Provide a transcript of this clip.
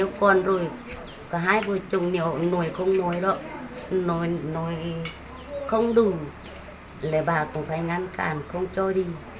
hai vợ chồng nếu nổi không nổi đó nổi nổi không đủ lại bà cũng phải ngăn cản không cho đi